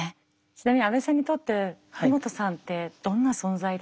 ちなみに阿部さんにとって福本さんってどんな存在ですか？